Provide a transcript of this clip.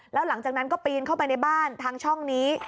แล้วหลังจากนั้นก็ปีนเข้าไปในบ้านทางช่องนี้